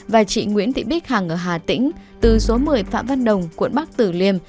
và chị nguyễn thị bích hằng ở hà tĩnh từ số một mươi phạm văn đồng quận bắc tử liêm